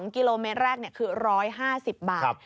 กิโลเมตรแรกคือ๑๕๐บาท